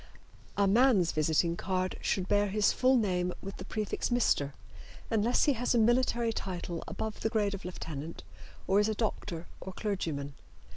A man's visiting card should bear his full name with the prefix "Mr." unless he has a military title above the grade of lieutenant or is a doctor or clergyman.